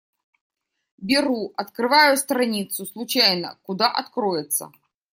Беру, открываю страницу случайно — куда откроется.